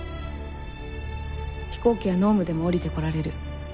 飛行機は濃霧でも降りてこられる。